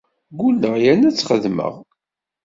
Ggulleɣ yerna ad t-xedmeɣ.